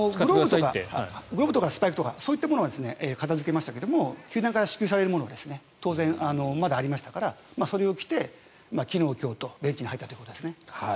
グローブとかスパイクとかそういうものは片付けましたが球団から支給されるものは当然まだありましたからそれを着て昨日今日とベンチに入ったということですね。